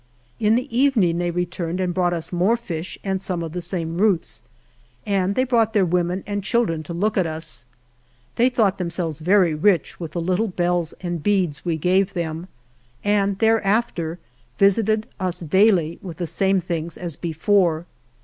In the evening they returned and brought us more fish and some of the same roots, 56 ALVAR NUNEZ CABEZA DE VACA and they brought their women and children to look at us. They thought themselves very rich with the little bells and beads we gave them, and thereafter visited us daily with the same things as before.